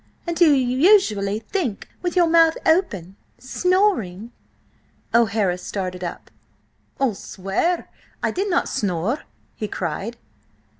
And do you usually think with your mouth open–snoring?" O'Hara started up. "I'll swear I did not snore!" he cried.